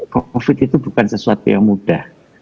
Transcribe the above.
covid itu bukan sesuatu yang mudah